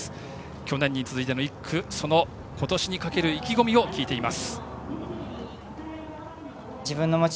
去年に続いての１区その今年にかける意気込みを聞いています。